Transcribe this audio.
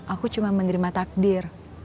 aku cuma menerima takdir